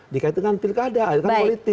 dikaitkan pilkada dikaitkan politik